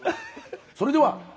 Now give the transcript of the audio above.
それでは！